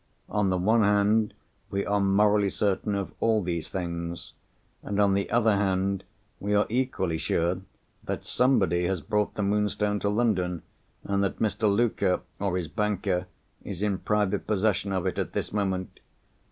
On the one hand, we are morally certain of all these things. And, on the other hand, we are equally sure that somebody has brought the Moonstone to London, and that Mr. Luker, or his banker, is in private possession of it at this moment.